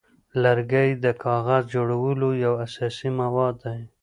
لرګی د کاغذ جوړولو یو اساسي مواد دی.